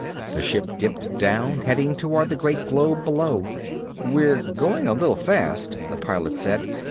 The ship dipped down, heading toward the great globe below. "We're going a little fast," the Pilot said.